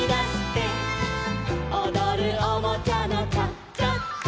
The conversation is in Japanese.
「おどるおもちゃのチャチャチャ」